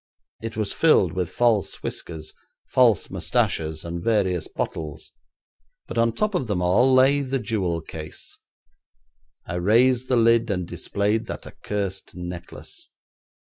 It was filled with false whiskers, false moustaches, and various bottles, but on top of them all lay the jewel case. I raised the lid and displayed that accursed necklace.